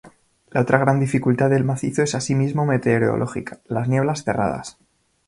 La otra gran dificultad del macizo es así mismo meteorológica: las nieblas cerradas.